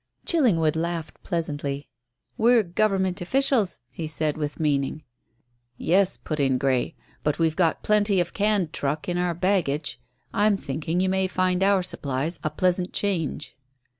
Chillingwood laughed pleasantly. "We're Government officials," he said with meaning. "Yes," put in Grey. "But we've got plenty of canned truck in our baggage. I'm thinking you may find our supplies a pleasant change."